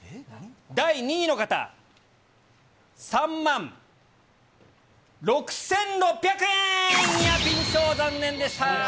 第２位の方、３万６６００円、ニアピン賞、残念でした。